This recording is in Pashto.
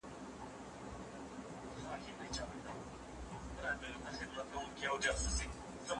مشرانو به د هیواد په کچه د پخلاینې هڅه کوله.